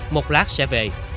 một lát sẽ về